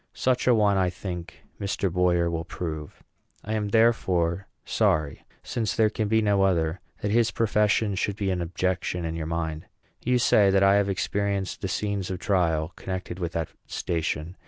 Such a one I think Mr. Boyer will prove. I am, therefore, sorry, since there can be no other, that his profession should be an objection in your mind. You say that I have experienced the scenes of trial connected with that station.